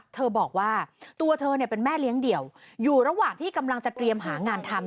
เธอบอกว่าตัวเธอเนี่ยเป็นแม่เลี้ยงเดี่ยวอยู่ระหว่างที่กำลังจะเตรียมหางานทำ